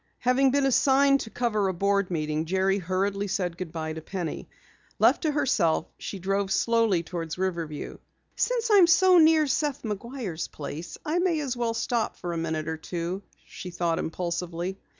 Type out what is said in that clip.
Having been assigned to cover a board meeting, Jerry hurriedly said goodbye to Penny. Left to herself, she drove slowly toward Riverview. "Since I am so near Seth McGuire's place, I may as well stop for a minute or two," she thought impulsively.